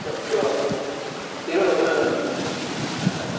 いろいろお世話になってるから。